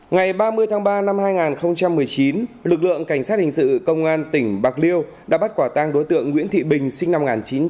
ngày ba mươi tháng ba năm hai nghìn một mươi chín lực lượng cảnh sát hình sự công an tỉnh bạc liêu đã bắt quả tang đối tượng nguyễn thị bình sinh năm một nghìn chín trăm tám mươi